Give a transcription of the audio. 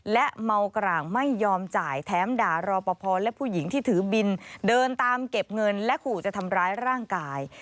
และเมากร่างไม่ยอมจ่ายแถมด่ารอปภและผู้หญิงที่ถือบินเดินตามเก็บเงินและขู่จะทำร้ายร่างกาย